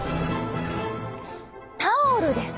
「タオル」です！